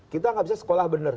kita nggak bisa sekolah benar